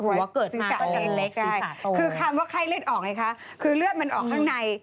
คือคำว่าไข้เล่นออกไงคะคือเลือดมันออกด้านใน